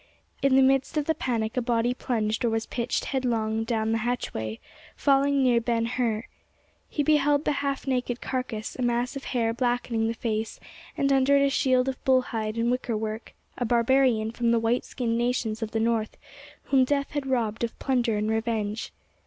In the midst of the panic a body plunged or was pitched headlong down the hatchway, falling near Ben Hur. He beheld the half naked carcass, a mass of hair blackening the face, and under it a shield of bull hide and wicker work—a barbarian from the white skinned nations of the North whom death had robbed of plunder and revenge.